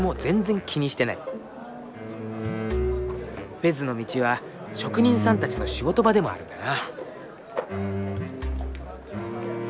フェズの道は職人さんたちの仕事場でもあるんだな。